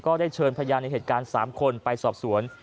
ได้เชิญพยานในเหตุการณ์๓คนไปสอบสวน